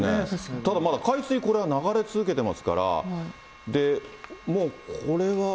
ただまだ海水、流れ続けてますから、もうこれは。